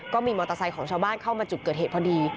ก็มีมอเตอร์ไซค์ของชาวบ้านเข้ามาจุดเกิดเหตุพอดี